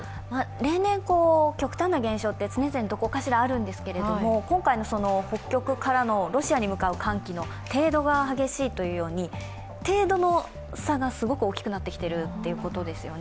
例年、極端な現象は常々どこかしらにあるんですけれども、今回の北極からロシアに向かう寒気の程度が激しいように程度の差がすごく大きくなってきているということですね。